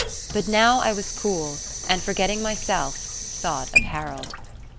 But now I was cool, and, forgetting myself, thought of Harold.